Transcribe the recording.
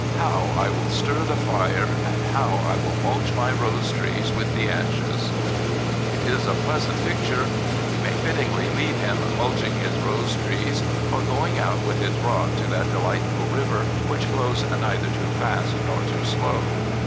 How I will stir the fire, and how I will m^ilph my rose trees with the ashes I " It is a pleasant picture. We may fittingly leave him mulching his rose trees or going out with his rod to that delightful river which flows neither too fast nor too slow.